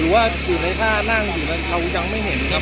ว่าอยู่ในท่านั่งอยู่เรายังไม่เห็นครับ